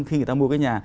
khi người ta mua cái nhà